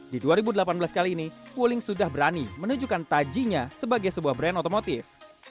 di dua ribu delapan belas kali ini wuling sudah berani menunjukkan tajinya sebagai sebuah brand otomotif